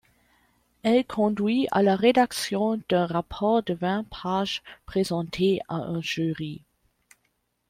Elle conduit à la rédaction d’un rapport de vingt pages présenté à un jury.